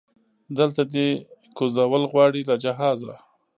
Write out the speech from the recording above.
دلته دی کوزول غواړي له جهازه